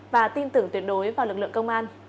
và tin tưởng tuyệt đối vào lực lượng công an